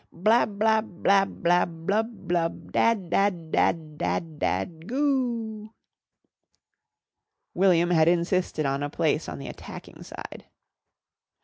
"Blab blab blab blab blub blub Dad dad dad dad dad. Go o o o." William had insisted on a place on the attacking side.